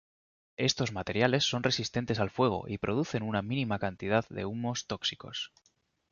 Estos materiales son resistentes al fuego y producen una mínima cantidad de humos tóxicos.